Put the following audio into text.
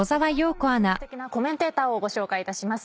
では本日のすてきなコメンテーターをご紹介いたします。